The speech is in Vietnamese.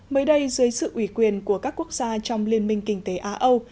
mới đây dưới sự ủy quyền của các quốc gia trong liên minh kinh tế á âu